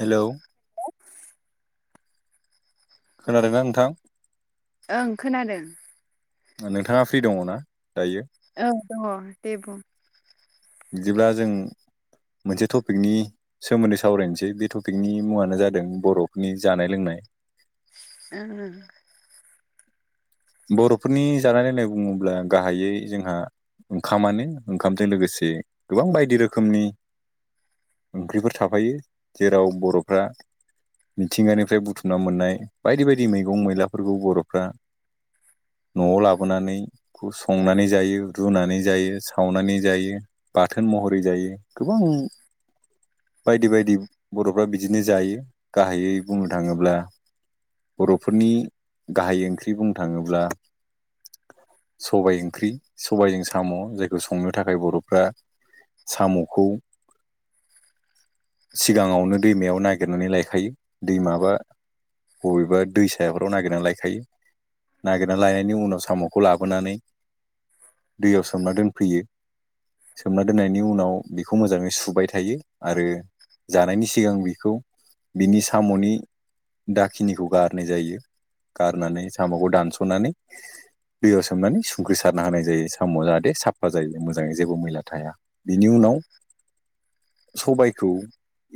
हेल' खोनादों आं नोंथां? ओं खोनादों। नोंथाङा फ्रि दङ ना दायो? औ दङ दे बुं बिदिब्ला जों मोनसे टपिकनि सोमोन्दै सावरायनोसै बे टपिकनि मुङानो जादों बर'फोरनि जानाय लोंनाय [inaudible] [unintelligible] बर'फोरनि जानाय लोंनाय बुङोब्ला गाहायै जोंहा ओंखामानो ओंखामजों लोगोसे गोबां बायदि रोखोमनि ओंख्रिफोर थाफायो जेराव बर'फ्रा मिथिंगानिफ्राय बुथुमना मोननाय बायदि बायदि मैगं मैलाफोरखौ बर'फ्रा न'आव लाबोनानैखौ संनानै जायो रुनानै जायो सावनानै जायो बाथोन बिथोन महरै जायो गोबां बायदि बायदि बर'फ्रा बिदिनो जायो गाहायै बुंनो थाङोब्ला बर'फोरनि गाहाय ओंख्रि बुंनो थाङोब्ला सबाय ओंख्रि सबायजों साम' जायखौ संनो थाखाय बर'फ्रा साम'खौ सिगाङावनो दैमायाव नागिरनानै लायखायो दैमाबा बबेबा दै सायाफोराव नागिरनानै लायखायो। नागिरना लायनायनि उनाव साम'खौ लाबोनानै दैयाव सोमना दोनफैयो। सोमना दोननायनि उनाव बेखौ मोजाङै सुबाय थायो आरो जानायनि सिगां बिखौ बिनि साम'नि दाखिनिखौ गारनाय जायो गारनानै साम'खौ दानस'नानै दैयाव सोमनानै संख्रि सारना होनाय जायो साम' जाहाथे साफा जायो मोजाङै जेबो मैला थाया बिनि उनाव सबायखौ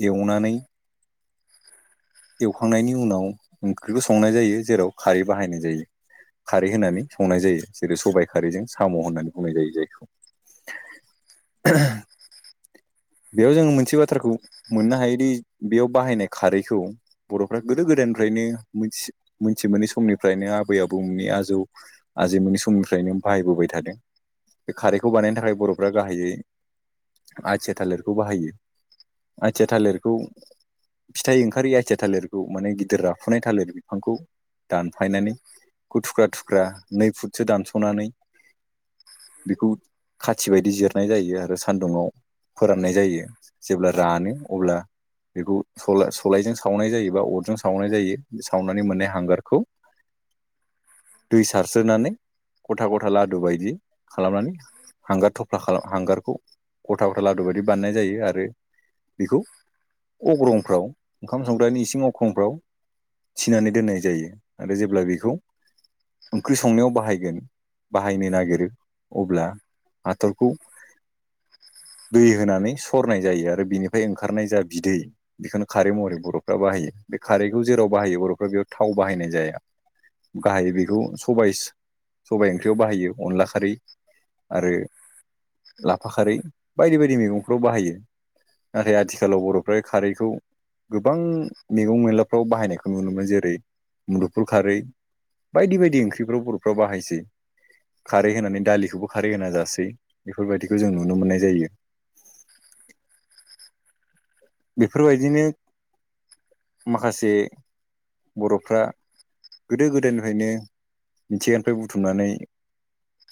एवनानै एवखांनायनि उनाव ओंख्रिखौ संनाय जायो जेराव खारै बाहायनाय जायो। खारै होनानै संनाय जायो जेरै सबायाइ खारैजों साम' होननानै बुंनाय जायो जायखौ। [unintelligible] बेयाव जोङो मोनसे बाथ्राखौ मोननो हायोदि बेयाव बाहायनाय खारैखौ बर'फ्रा गोदो गोदाय निफ्रायनो मोनथि मोनै समनिफ्रायनो आबै आबौमोननि आजौ आजै मोननि समनिफ्रायनो बाहाय थादों बे खारखौ बानायनो थाखाय बर' गाहाय थालिरखौ बाहायो आचया थालिरखौ फिथाइ ओंखारि आथिया थालिरखौ माने गिदिर राफुनाय थालिर बिफांखौ दानफायनानै ग थुख्रा थुख्रा नै फुटसो दानस'नानै बेखौ खाथि बायदि जिरनाय जायो आरो सान्दुंङाव फोराननाय जायो जेब्ला रानो अब्ला बेखौ स सलायजों सावनाय जायोबा अ जजों सावनाय जायो सावनानै मोननाय हांगारखौ दै सारस्रोनानै गथा गथा लादु बायदि खालामनानै हांगार थफ्ला खालाम हांगारखौ हाथा बथा लादु बायदि बाननाय जायो आरो बेखौ अग्रं औ ओंखाम संग्रानि इसिं अख्रंफ्राव थिनानै दोननाय जायो आरो जेब्ला बेखौ ओंख्रि संनायाव बाहायगोन बाहायनो नागिरो अब्ला हाथरखौ दै होनानै सरनाय जायो आरो बिनिफ्राय ओंखारनाय जा बिदै बेखौनो खारै महरै बर'फ्रा बा बायो बे खारैखौ जेराव बाहायो बर'फोरा बेयाव थाव बाहायनाय जाया गाहायै बेखौ सबाइस सबाइ ओंख्रियाव बाहायो अनला खारै आरो लाफा खारै बायदि बायदि मैगंफ्राव बाहायो नाथाय आथिखालाव बर'फोरा खारैखौ गोबां मैगं मैलाफ्राव बाहायनायखौ नुनो मोनो जेरै मुदुफुल खारै बायदि बायदि ओंख्रिफ्राव बर'फोरा बाहायसै खारै होनानै दालिखौबो खारै होना जासै बेफोरबायदिखौ जों नुनो मोननाय जायो बेफोरबायदिनो माखासे बर'फ्रा गोदो गोदायनिफ्रायनो मिथिंगानिफ्राय बुथुमनानै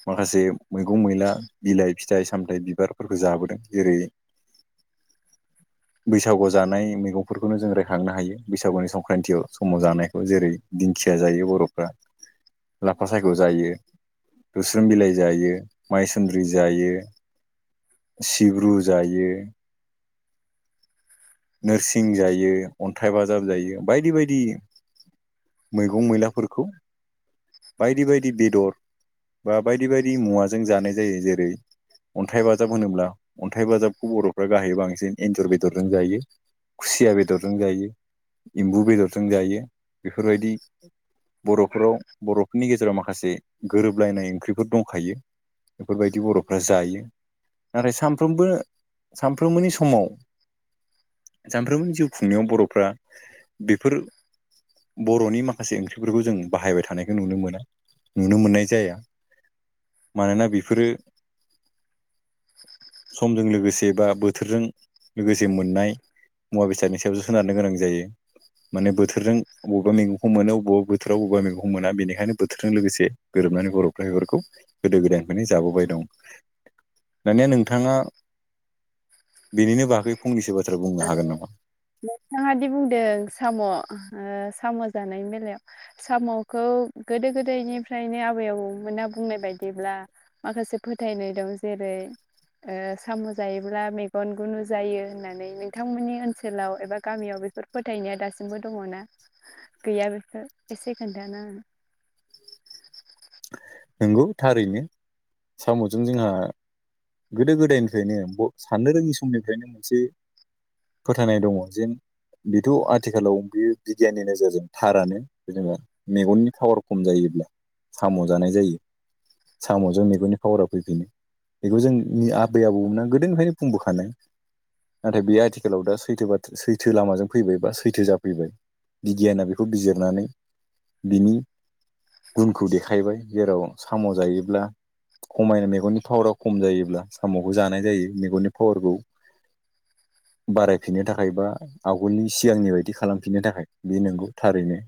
माखासे मैगं मैला बिलाइ फिथाइ सामथाइ बिबारफोरखौ जाबोदों जेरै [inaudible] बैसागु जानाय मैगंफोरखौनो जों रायखांनो हायो बैसागुनि संक्रान्ति समाव जानायखौ जेरै दि खिया जायो बर'फ्रा लाफा सायख'जायो दौस्रेम बिलाइ जायो माइसन्द्रि जायो सिब्रु जायो नोरसिं जायो अन्थाइ बाजाब जायो बायदि बायदि मैगं मैलाफोरखौ बायदि बायदि बेदर बा बायदि बायदि मुवाजों जानाय जायो जेरै अन्थाइ बाजाब होनोब्ला अन्थाइ बाजाबखौ बर'फ्रा गाहायै बांसिन एनजर बायदि बेदरजों जायो खुसिया बेदरजों जायो एम्बु बेदरजों जायो बेफोरबायदि बर'फोराव बर'फोरनि गेजेराव माखासे गोरोबलायनाय ओंख्रिफोर दंखायो बेफोरबायदि बर'फ्रा जायो नाथाय सानफ्रोमबो सानफ्रोमबोनि समाव सामफ्रोमबोनि जिउ खुंनायाव बर'फ्रा बेफोर बर'नि माखासे ओंख्रिफोरखौ जों बाहायबाय थानायखौ नुनो मोना नुनो मोननाय जाया मानोना बेफोरो समजों लोगोसे बा बोथोरजों लोगोसे मोननाय मुवा बेसादनि सायावसो सोनारनो गोनां जायो माने बोथोरजों बबेबा मैगंखौ मोनो अबेबा बोथोराव अबेबा मेगंखौ मोना बेनिखायनो बोथोरजों लोगोसे गोरोब जोबनानै बर' इफोरखौ गोदो गोदायनिफ्रायनो जाबोबाय दं दानिया नोंथाङा बेनिनो बागै फंनैसो बाथ्रा बुंनो हागोन नामा नोंथाङा दि बुंदों साम' साम' जानायनि बेलायाव साम'खौ गोदो गोदायनिफ्रायनो आबै आबौमोना बुंनाय बायदि बिदिब्ला माखासे फोथायनाय दं जेरै साम' जायोब्ला मेगन गुनु जायो होननानै नोंथांमोननि ओनसोलाव एबा गामियाव बेफोर फोथायनाया दासिमबो दङना गैया बेफोर एसे खोनथा ना [inaudible] नंगौ थारैनो साम'जों जोंहा गोदो गोदायनिफ्रायनो साननो रोङि समनिफ्रायनो मोनसे फोथायनाय दङ जेन बेथ' आथिखालाव बे बिगियाननि नोजोरजों थारानो जेनेबा मेगननि पावार खम जायोब्ला साम' जानाय जायो साम'जों मेगननि पावारा फैफिनो। बेखौ जोंनि आबै आबौमोनना गोदोनिफ्रायनो बुंबोखानाय। नाथाय बेयो आथिखालाव दा सैथो बा सैथो लामाजों फैबाय बा सैथो जाफैबाय। बिगियाना बेखौ बिजिरनानै बिनि गुनखौ देखायबाय। जेराव साम' जायोब्ला खमायनाय मेगननि पावारा खम जायोब्ला साम'खौ जानाय जायो मेगननि पावारखौ बारायफिननो थाखाय बा आवगोलनि सिगांनि बायदि खालामफिननो थाखाय बे नंगौ थारैनो।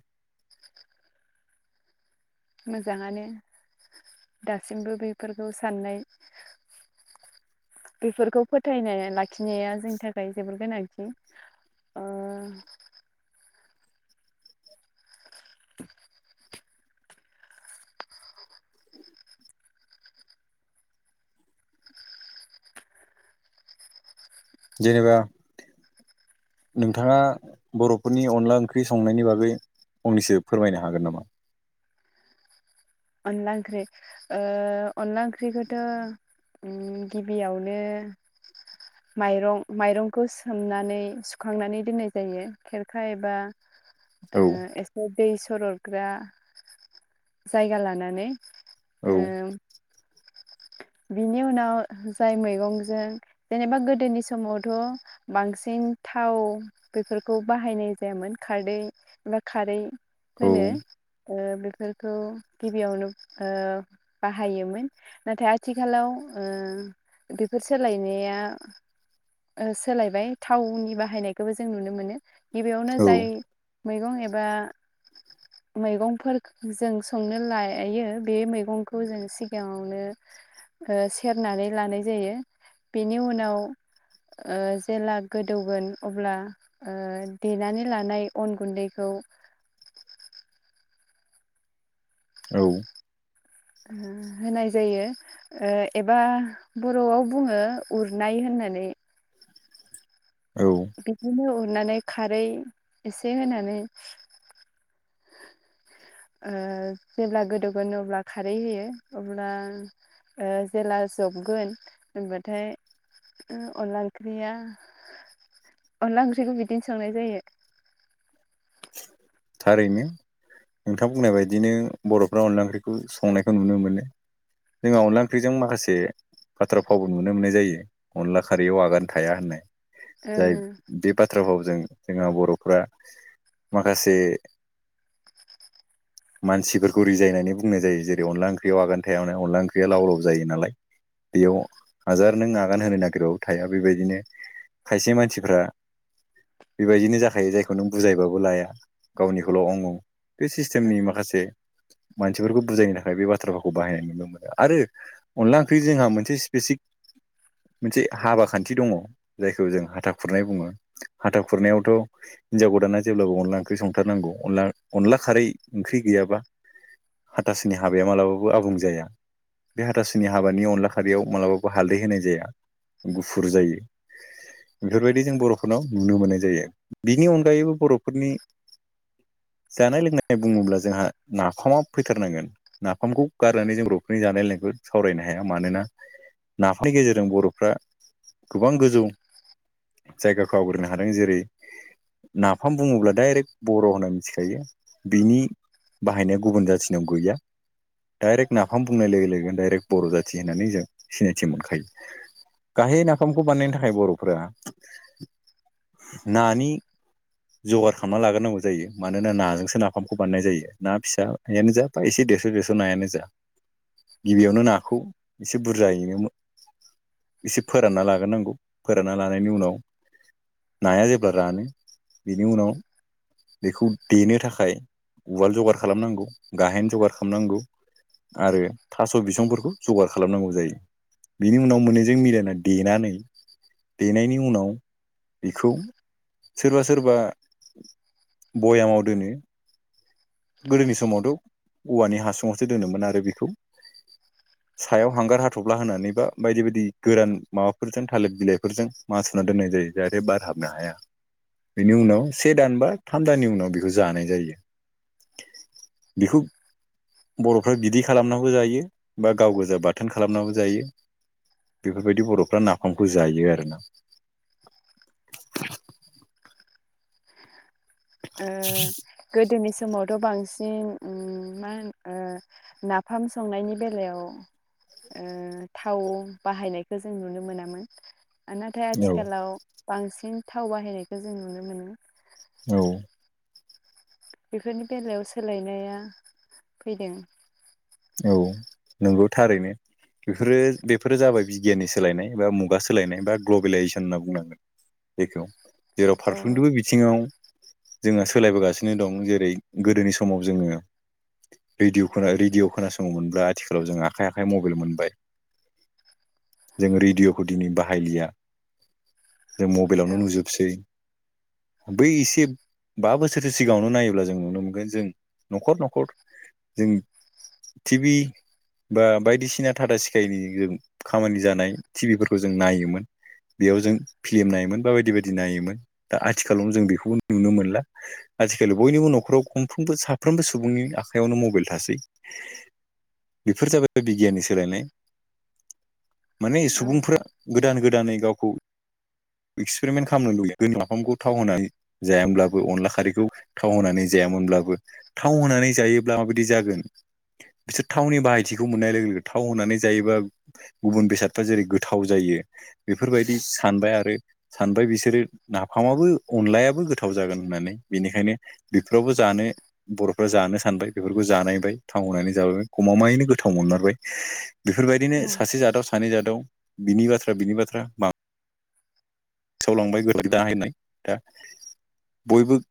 मोजाङानो दासिमबो बेफोरखौ साननाय बेफोरखौ फोथायनाय लाखिनाया जोंनि थाखाय जोबोर गोनांथि। ओ द जेनेबा नोंथाङा बर'फोरनि अनला ओंख्रि संनायनि बागै फंनैसो फोरमायनो हागोन नामा? अनला ओंख्रि ओ अनला ओंख्रिखौथ' ओम गिबियावनो माइरं माइरंखौ सोमनानै सुखांनानै दोननाय जायो खेरखा एबा ओ औ एसे दै सरदग्रा जायगा लानानै औ ओ बिनि उनाव जाय मैगंजों जेनेबा गोदोनि समावथ' बांसिन थाव बेफोरखौ बाहायनाय जायामोन खारदै एबा खारै औ होनो। ओ बेफोरखौ गिबियावनो बाहायोमोन नाथाय आ थिखालाव ओ बेफोर सोलायनाया ओ सोलायबाय थावनि बाहायनायखौबो जों नुनो मोनो गिबियावनो औ जों मैगं एबा मैगंफोर जों संनो लायो बे मैगंखौ जों सिगाङावनो ओ सेरनानै लानाय जायो बेनि उनाव ओ जेब्ला गोदौगोन अब्ला ओ देनानै लानाय अन गुन्दैखौ ओ औ होनाय जायो एबा बर'आव बुङो उरनाय होन नानै औ बिदिनो उरनानै खारै एसे होनानै ओ जेब्ला गोदौगोनो अब्ला खारै होयो अब्ला ओ जेला जबगोन होनबाथाय अनला ओंख्रिया अनला ओंख्रिखौ बिदिनो संनाय जायो। थारैनो नोंथां बुंनाय बायदिनो बर'फ्रा अनला ओंख्रिखौ संनायखौ नुनो मोनो। जोंहा अनला ओंख्रिजों माखासे बाथ्राफावबो नुनो मोननाय जायो अनला खारैयाव आगान थाया होननाय जाय बे बाथ्रा भावजों जोंहा बर'फ्रा माखासे मानसिफोरखौ रिजायनानै बुंनाय जायो जेरै अनला ओंख्रियाव आगान थायावनो अनला ओंख्रिया लाव लाव जायो नालाय बेयाव हाजार नों आगान होनो नागिरबाबो थाया बेबायदिनो खायसे मानसिफ्रा बेबायदिनो जाखायो जायखौ नों बुजायबाबो लाया गावनिखौल' अं अं बे ओ सिस्टेमनि माखासे मानसिफोरखौ बुजायनो थाखाय बे बाथ्राफोरखौ बाहायनाय नुनो मोनो आरो अनला ओंख्रि जोंहा मोनसे स्पेसिफक [inaudible] मोनसे हाबा खान्थि दङ जायखौ जों हाथा खुरनाय बुङो हाथा खुरनायावथ' हिन्जाव गोदाना जेब्लाबो अनला ओंख्रि संथारनांगौ अनला अनला खारै ओंख्रि गैयाबा हाथासुनि हाबाया मालाबाबो आबुं जाया। बे हाथासुनि हाबानि अनला खारैयाव मालाबाबो हालदै होनाय जाया गुफुर जायो। बेफोरबायदि जों बर'फोरनाव नुनो मोननाय जायो बिनि अनगायैबो बर'फोरनि [inaudible] जानाय लोंनाय बुङोब्ला जोंहा नाफामा फैथारनांगोन नाफामखौ गारनानै जों बर'फोरनि जानाय लोंनायखौ सावरायनो हाया मानोना नाफोरनि गेजेरजों बर'फ्रा गोबां गोजौ जायगाखौ आवग्रिनो हादों जेरै ना फाम बुङोब्ला डाइरेक्ट बर' होनना मिथिखायो बिनि बाहायनाय गुबुन जाथिनाव गैया डाइरेक्ट नाफाम बुंनाय लोगो लोगोन डाइरेक्ट बर' जाथि होननानै जों सिनायथि मोनखायो गाहाय नाफामखौ बानायनायनि थाखाय बर'फोरा नानि जगार खालामना लाग्रोनांगौ जायो मानोना नाजोंसो नाफामखौ बानायनाय जायो ना फिसायानो जा बा देरस' देरस' नायानो जा गिबियावनो नाखौ एसे बुरजायैनो एसे फोरानना लाग्रोनांगौ फोरानना लानायनि उनाव नाया जेब्ला रानो बेनि उनाव बेखौ देनो थाखाय उवाल जगार खालामनांगौ गाहेन जगार खालामनांगौ आरो थास' बिसंफोरखौ जगार खालामनांगौ जायो बिनि उनाव मोननैजों मिलायनानै देनानै देनायनि उनाव बेखौ सोरबा सोरबा भयामाव दोनो। गोदोनि समावथ' औवानि हासुंआवसो दोनोमोन आरो बेखौ सायाव हांगार हाथप्ला होनानै बा बायदि बायदि गोरान माबाफोरजों थालिर बिलाइफोरजों माथुना दोननाय जायो। जाहाथे बार हाबनो हाया। बेनि उनाव से दान बा थाम दाननि उनाव बेखौ जानाय जायो बिखौ बर'फ्रा बिदै खालामनाबो जायो बा गाव गोजा बाथोन खालामनाबो जायो। बेफोरबायदि बर'फ्रा नाफामखौ जायो आरोना। [inaudible] ओ गोदोनि समावथ' बांसिन मा होनो नाफाम संनायनि बेलायाव ओ थाव बाहायनायखौ जों नुनो मोनामोन। नाथाय औ आथिखालाव बांसिन थाव बाहायनायखौ जों नुनो मोनो। औ बेफोरनि बेलायाव सोलायनाया फैदों। औ नंगौ थारैनो। बेफोरो बेफोरो जाबाय बिगियाननि सोलायनाय बा मुगा सोलायनाय बा ग्लबेलाइजेसन होनना बुंनांगोन। जेखौ जेराव औ फारफ्रोमनिबो बिथिङाव जोंहा सोलायबोगासिनो दं जेरै गोदोनि समाव जोङो रेदिअ' रेडिअ' खोनासंङोमोनब्ला आथिखालाव जों आखाइ आखाइ मबाइल मोनबाय जों रेडिअ'खौ दिनै बाहायलिया जों मबाइलावनो नुजोबसै बै एसे बा बोसोरसो सिगाङावनो नायोब्ला जों नुनो मोनगोन जों न'खर न'खर जों टि भि बा बायदिसिना टाटा स्काइनि जों खामानि जानाय टि भि फोरखौ जों नायोमोन बेयाव जों फिलिम नायोमोन बा बायदि बायदि नायोमोन दा आथिखालावनो जों बेखौबो नुनो मोनला आजिखालि बयनिबो न'खराव गंफ्रोमबो साफ्रोमबो सुबुंनि आखायावनो मबाइल थासै बेफोर जाबाय बिगियाननि सोलायनाय माने औ सुबुंफोरा गोदान गोदानै गावखौ एक्सपेरमेन्ट खालामनो लुबैयो गो नाफामखौ थाव होनाय जायाब्लाबो अनला खारैखौ थाव होनानै जायामोनब्लाबो थाव होननानै जायोब्ला माबायदि जागोन बिसोर थावनि बाहायथिखौ मोननाय लोगो लोगो थाव होनानै जायोबा गुबुन बेसादफ्रा जेरै गोथाव जायो बेफोरबायदि सानबाय आरो सानबाय बिसोरो नाफामाबो अनलायाबो गोथाव जागोन होननानै बेनिखायनो बेफोरावबो जानो बर'फ्रा जानो सानबाय बेफोरखौ जानायबाय थाव होनानै जाबाय गमामायैनो गोथाव मोनमारबाय बेफोरबायदिनो औ औ सासे जादाव सानै जादाव बिनि बाथ्रा बिनि बाथ्रा मा सौलांबाय गोदो दाहायनाय दा बयबो